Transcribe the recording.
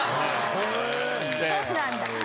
そうなんだ。